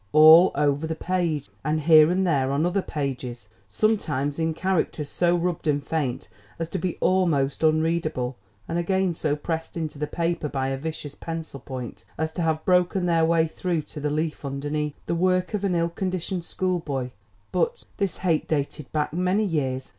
all over the page, and here and there on other pages, sometimes in characters so rubbed and faint as to be almost unreadable and again so pressed into the paper by a vicious pencil point as to have broken their way through to the leaf underneath. The work of an ill conditioned schoolboy! but this hate dated back many years.